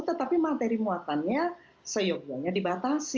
tetapi materi muatannya seyoganya dibatasi